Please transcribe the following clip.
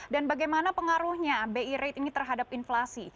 dan bagaimana pengaruhnya bi rate ini terhadap inflasi